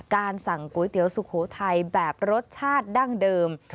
การสั่งก๋วยเตี๋ยวสุโขทัยแบบรสชาติดั้งเดิม